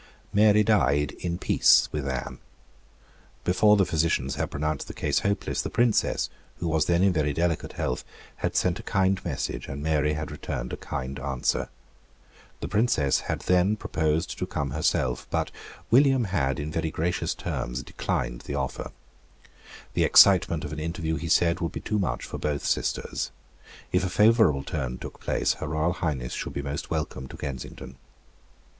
Mary died in peace with Anne. Before the physicians had pronounced the case hopeless, the Princess, who was then in very delicate health, had sent a kind message; and Mary had returned a kind answer. The Princess had then proposed to come herself; but William had, in very gracious terms, declined the offer. The excitement of an interview, he said, would be too much for both sisters. If a favourable turn took place, Her Royal Highness should be most welcome to Kensington.